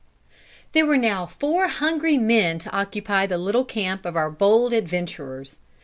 There were now four hungry men to occupy the little camp of our bold adventurers.